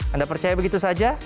anda percaya begitu saja